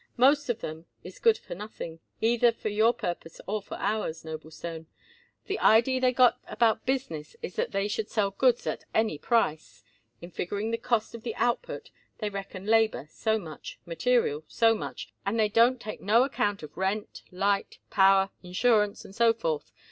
Most of 'em is good for nothing, either for your purpose or for ours, Noblestone. The idee they got about business is that they should sell goods at any price. In figuring the cost of the output, they reckon labor, so much; material, so much; and they don't take no account of rent, light, power, insurance and so forth.